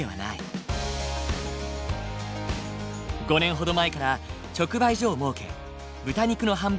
５年ほど前から直売所を設け豚肉の販売を開始したんだ。